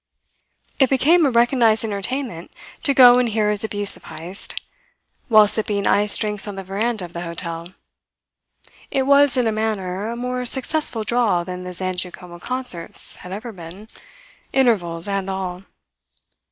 It became a recognized entertainment to go and hear his abuse of Heyst, while sipping iced drinks on the veranda of the hotel. It was, in a manner, a more successful draw than the Zangiacomo concerts had ever been intervals and all.